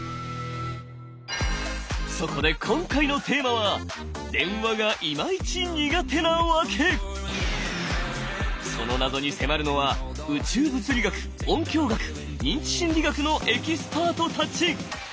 そこで今回のテーマはその謎に迫るのは宇宙物理学音響学認知心理学のエキスパートたち！